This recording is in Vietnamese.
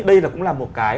đây cũng là một cái